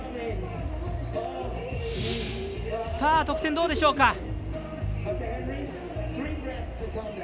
得点どうでしょうか。